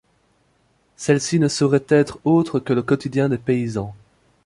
Celle-ci ne saurait être autre que le quotidien des paysans.